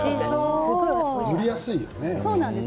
塗りやすいよね。